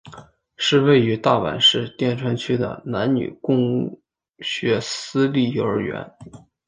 是位于大阪市淀川区的男女共学私立幼儿园。